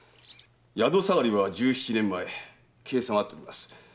宿下がりは十七年前計算は合っております。